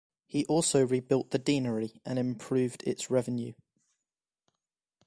He also rebuilt the deanery, and improved its revenue.